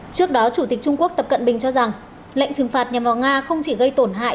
trước đó chủ tịch trung quốc tập cận bình cho rằng lệnh trừng phạt nhằm vào nga không chỉ gây tổn hại